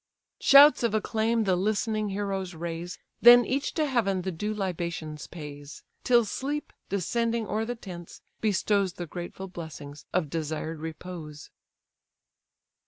Shouts of acclaim the listening heroes raise, Then each to Heaven the due libations pays; Till sleep, descending o'er the tents, bestows The grateful blessings of desired repose.